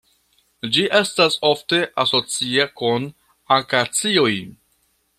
Ĝi estas ofte asocia kun akacioj.